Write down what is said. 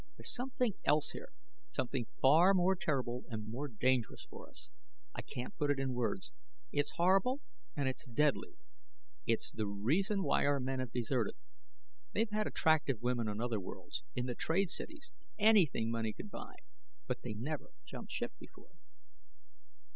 There's something else here something far more terrible and more dangerous for us. I can't put it in words. It's horrible and it's deadly; it's the reason why our men have deserted. They've had attractive women on other worlds in the trade cities, anything money could buy but they never jumped ship before."